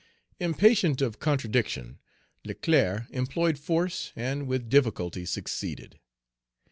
Impatient of contradiction, Leclerc employed force, and with difficulty succeeded.